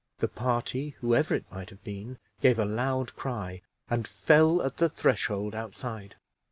The party, whoever it might have been, gave a loud cry, and fell at the threshold outside.